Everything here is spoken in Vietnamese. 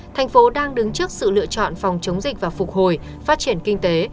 thành phố đang đứng trước sự lựa chọn phòng chống dịch và phục hồi phát triển kinh tế